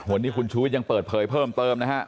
วันนี้คุณชูวิทย์ยังเปิดเผยเพิ่มเติมนะฮะ